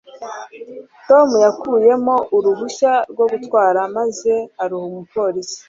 tom yakuyemo uruhushya rwo gutwara maze aruha umupolisi